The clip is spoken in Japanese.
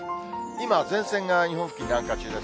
今、前線が日本付近、南下中です。